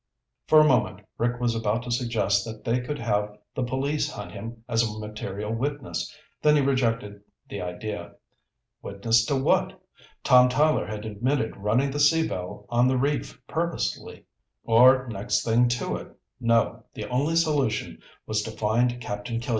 For a moment Rick was about to suggest that they could have the police hunt him as a material witness, then he rejected the idea. Witness to what? Tom Tyler had admitted running the Sea Belle on the reef purposely, or next thing to it. No, the only solution was to find Captain Killian.